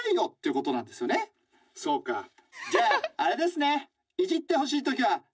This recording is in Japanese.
じゃああれですね。